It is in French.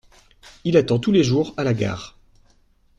Il attend tous les jours à la gare.